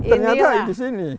ternyata ini di sini